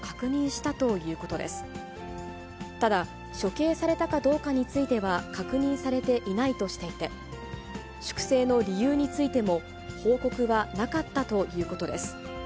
ただ、処刑されたかどうかについては確認されていないとしていて、粛清の理由についても報告はなかったということです。